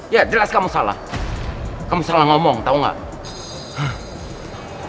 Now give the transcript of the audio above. ya jelas kamu salah kamu salah ngomong tau gak